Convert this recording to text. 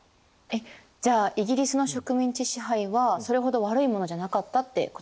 えっじゃあイギリスの植民地支配はそれほど悪いものじゃなかったってことですか？